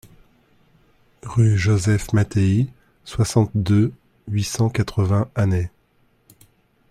Rue Joseph Mattéi, soixante-deux, huit cent quatre-vingts Annay